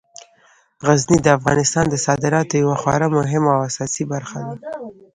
غزني د افغانستان د صادراتو یوه خورا مهمه او اساسي برخه ده.